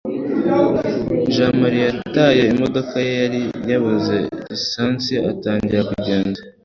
jamali yataye imodoka ye yari yabuze lisansi atangira kugenda